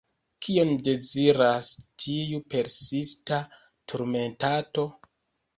Kion deziras tiu persista turmentanto?